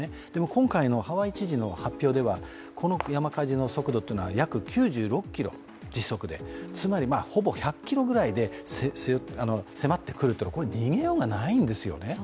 今回のハワイ知事の発表ではこの山火事の速度は時速で約９６キロ、つまり、ほぼ１００キロぐらいで迫ってくるっていうのはもう逃げようがないんですよね。